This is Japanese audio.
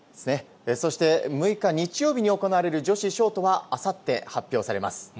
そして、６日日曜日に行われる女子ショートは、あさって発表されます。